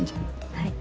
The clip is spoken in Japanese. はい。